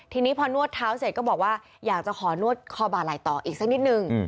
ทีนี้พอนวดเท้าเสร็จก็บอกว่าอยากจะขอนวดคอบาไหล่ต่ออีกสักนิดนึง